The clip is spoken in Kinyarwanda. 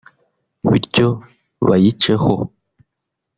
bityo bayiceho